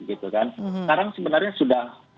sekarang sebenarnya sudah